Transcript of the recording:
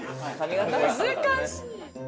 難しい。